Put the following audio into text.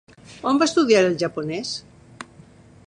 On va estudiar el japonès?